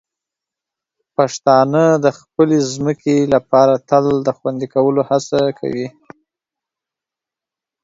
پښتانه د خپلې ځمکې لپاره تل د خوندي کولو هڅه کوي.